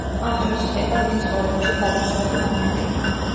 ამ დროს ხდება მის ცხოვრებაში გადამწყვეტი მომენტი.